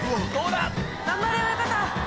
頑張れ親方。